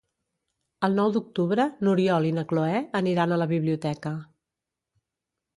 El nou d'octubre n'Oriol i na Cloè aniran a la biblioteca.